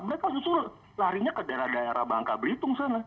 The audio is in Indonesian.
mereka justru larinya ke daerah daerah bangka belitung sana